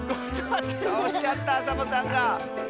たおしちゃったサボさんが。